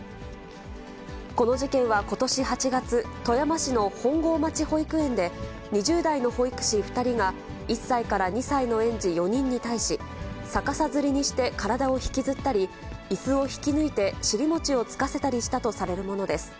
この事件はことし８月、富山市の本郷町保育園で、２０代の保育士２人が、１歳から２歳の園児４人に対し、逆さづりにして体を引きずったり、いすを引き抜いて、尻餅をつかせたりしたとされるものです。